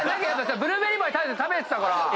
ブルーベリーパイ食べてたから。